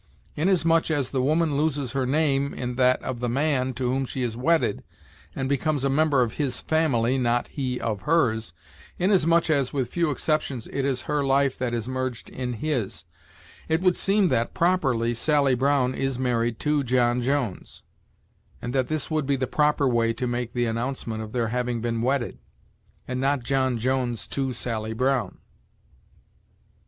Inasmuch as the woman loses her name in that of the man to whom she is wedded, and becomes a member of his family, not he of hers inasmuch as, with few exceptions, it is her life that is merged in his it would seem that, properly, Sally Brown is married to John Jones, and that this would be the proper way to make the announcement of their having been wedded, and not John Jones to Sally Brown.